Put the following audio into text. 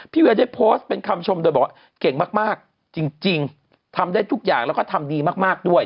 เวียได้โพสต์เป็นคำชมโดยบอกว่าเก่งมากจริงทำได้ทุกอย่างแล้วก็ทำดีมากด้วย